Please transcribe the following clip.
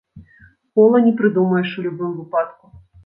Кола не прыдумаеш у любым выпадку.